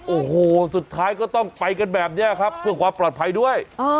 โอ้โหสุดท้ายก็ต้องไปกันแบบนี้ครับเพื่อความปลอดภัยด้วย